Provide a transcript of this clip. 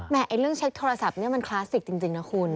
เรื่องเช็คโทรศัพท์นี่มันคลาสสิกจริงนะคุณ